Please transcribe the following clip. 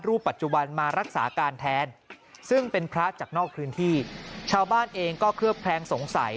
ปัจจุบันมารักษาการแทนซึ่งเป็นพระจากนอกพื้นที่ชาวบ้านเองก็เคลือบแคลงสงสัย